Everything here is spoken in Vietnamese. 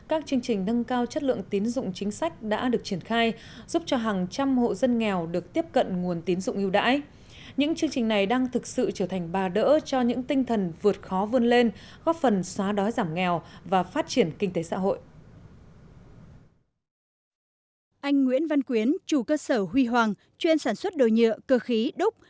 anh nguyễn văn quyến chủ cơ sở huy hoàng chuyên sản xuất đồ nhựa cơ khí đúc